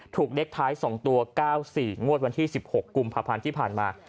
ถูกเลขท้าย๒ตัว๙๔งวดวันที่๑๖กุมภาพันธ์ที่ผ่านมา